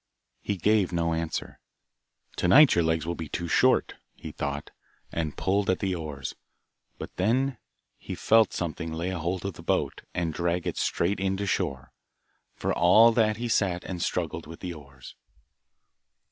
He gave no answer. 'To night your legs will be too short,' he thought, and pulled at the oars. But he then felt something lay hold of the boat, and drag it straight in to shore, for all that he sat and struggled with the oars.